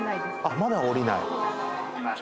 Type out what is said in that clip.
まだ降りない。